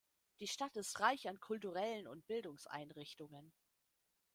Die Stadt ist reich an kulturellen und Bildungseinrichtungen.